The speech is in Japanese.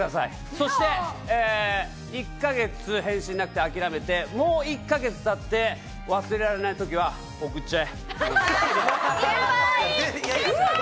そして、１ヶ月返信がなくて諦めて、もう１カ月たって忘れられない時は送っちゃえ！